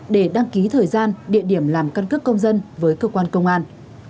để đăng ký thời gian địa điểm làm căn cước công dân với cơ quan công an